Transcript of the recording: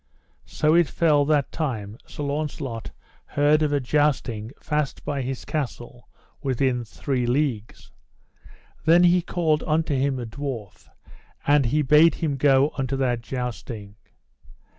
So it fell that time Sir Launcelot heard of a jousting fast by his castle, within three leagues. Then he called unto him a dwarf, and he bade him go unto that jousting.